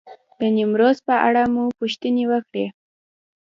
د نیمروز په اړه مو پوښتنې وکړې.